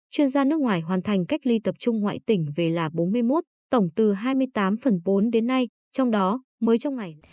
chuyên gia nước ngoài hoàn thành cách ly tập trung ngoại tỉnh về là bốn mươi một tổng từ hai mươi tám phần bốn đến nay trong đó mới trong ngày